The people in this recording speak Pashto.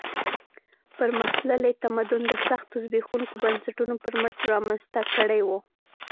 پرمختللی تمدن د سختو زبېښونکو بنسټونو پر مټ رامنځته کړی و.